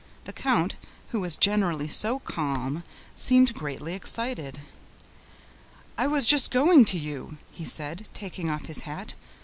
The count, who was generally so calm, seemed greatly excited. "I was just going to you," he said, taking off his hat.